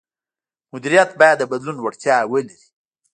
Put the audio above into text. مدیریت باید د بدلون وړتیا ولري.